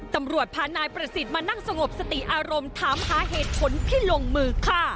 ตำรวจพานายประสิทธิ์มานั่งสงบสติอารมณ์ถามหาเหตุผลที่ลงมือฆ่า